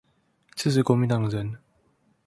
支持國民黨的人